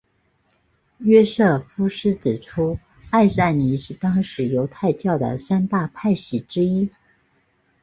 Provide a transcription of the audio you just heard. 约瑟夫斯指出艾赛尼是当时犹太教的三大派系之一。